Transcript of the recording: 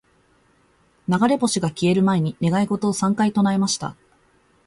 •流れ星が消える前に、願い事を三回唱えました。